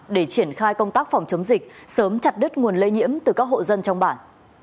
để triển khai công tác phòng chống dịch sớm chặt đứt nguồn lây nhiễm từ các hộ dân trong bản